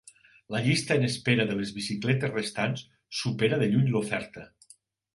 La llista en espera de les bicicletes restants supera de lluny l'oferta.